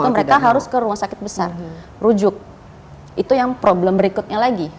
mereka harus ke rumah sakit besar rujuk itu yang problem berikutnya lagi